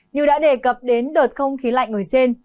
như đã đề cập đến đợt không khí lạnh ngồi trên